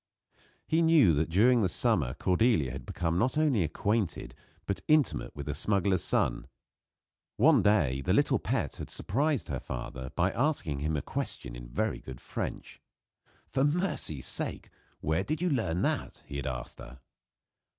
He knew that during the summer Cordelia had become not only acquainted, but intimate with the smuggler's son. One day the little pet had surprised her father by asking him a question in very good French. "For mercy's sake! where did you learn that?" he had asked her.